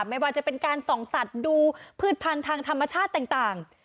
ไม่ว่าจะเป็นการส่องสัตว์ดูพืชพันธุ์ทางธรรมชาติต่าง